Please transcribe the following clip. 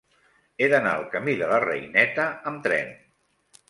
He d'anar al camí de la Reineta amb tren.